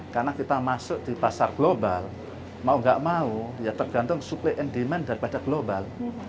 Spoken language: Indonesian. karena kita masuk di pasar global mau gak mau ya tergantung supply and demand daripada global